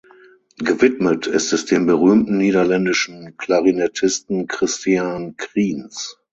Gewidmet ist es dem berühmten niederländischen Klarinettisten Christiaan Kriens.